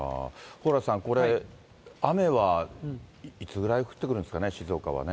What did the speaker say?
蓬莱さん、これ、雨はいつぐらい降ってくるんですかね、静岡はね。